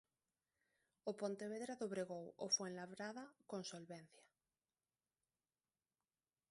O Pontevedra dobregou o Fuenlabrada con solvencia.